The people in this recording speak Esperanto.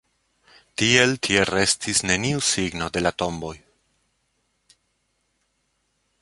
Tiel tie restis neniu signo de la tomboj.